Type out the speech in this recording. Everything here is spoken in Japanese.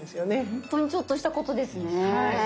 本当にちょっとしたことですね。